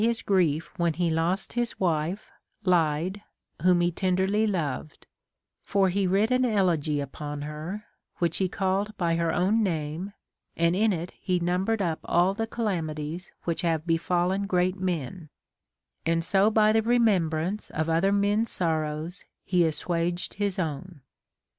his grief when he lost his wife Lyde, whom he tenderly loved ; for he writ an elegy upon her, which he called by her own name, and in it he numbered up all the calamities which have befcillen great men ; and so by the remembrance of other men's sorrows he assuaged his own.